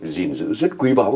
dình giữ rất quý báu